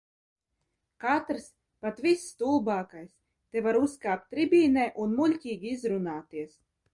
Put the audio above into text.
Katrs, pat visstulbākais, te var uzkāpt tribīnē un muļķīgi izrunāties.